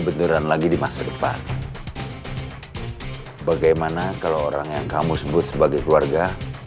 beneran lagi di masa depan bagaimana kalau orang yang kamu sebut sebagai keluarga